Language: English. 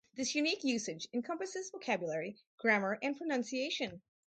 This unique usage encompasses vocabulary, grammar, and pronunciation.